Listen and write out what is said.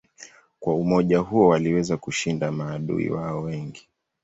Kwa umoja huo waliweza kushinda maadui wao wengi.